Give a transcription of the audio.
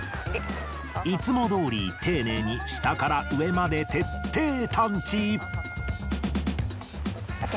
いつもどおり丁寧に下から上まで徹底探知。ＯＫ。